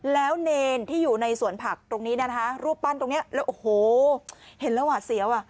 แล้วเนรที่อยู่ในสวนผักตรงนี้นะคะรูปปั้นตรงนี้แล้วโอ้โหเห็นแล้วหวาดเสียวอ่ะ